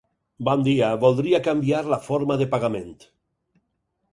Bon dia, voldria canviar la forma de pagament.